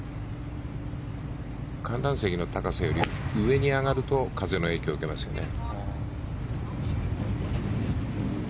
観覧席の高さより上に上がると風の影響を受けますよね。